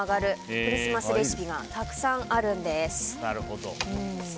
クリスマスレシピがたくさんあるんです。